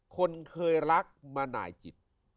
คนเคยรักมาหน่ายจิต